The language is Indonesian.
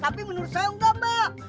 tapi menurut saya enggak mbak